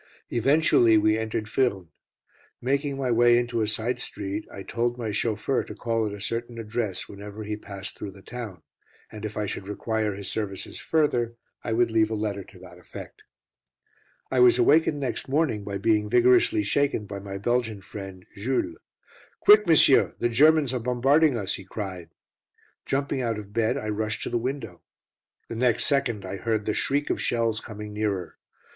Eventually we entered Furnes. Making my way into a side street, I told my chauffeur to call at a certain address whenever he passed through the town, and if I should require his services further, I would leave a letter to that effect. I was awakened next morning by being vigorously shaken by my Belgian friend, Jules. "Quick, monsieur, the Germans are bombarding us," he cried. Jumping out of bed, I rushed to the window. The next second I heard the shriek of shells coming nearer.